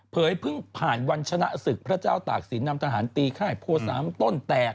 เผยเพิ่งผ่านวัญชนะศึกพระเจ้าตากศิลป์นำทหารตีไข่พวกสามต้นแตก